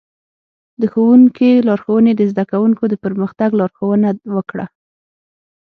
د ښوونکي لارښوونې د زده کوونکو د پرمختګ لارښوونه وکړه.